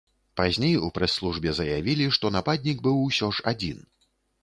Пазней у прэс-службе заявілі, што нападнік быў усё ж адзін.